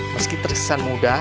meski tersisa mudah